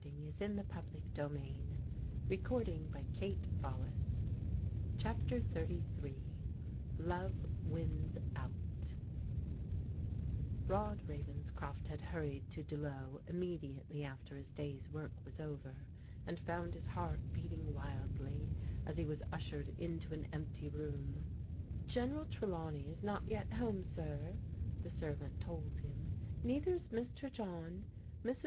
And if — if he only could — ^if he only could I "\ CHAPTER XXXIII LOVE WINS OUT ROD RAVENSCROFT had hurried to Duloe im mediately after his day's work was over, and found his heart beating wildly as he was ush ered into an empty room. " General Trelawney is not yet home, sir," the servant told him. " Neither is Mr. John. Mrs.